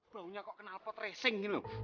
baunya kok kenal potresing gitu